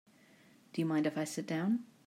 Do you mind if I sit down?